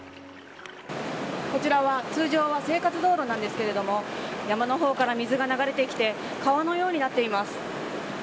こちらは通常は生活道路なんですけれども山の方から水が流れてきて川のようになっています。